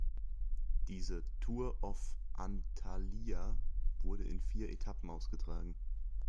Diese "Tour of Antalya" wurde in vier Etappen ausgetragen.